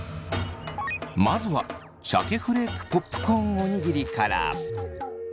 まずはシャケフレークポップコーンおにぎりから。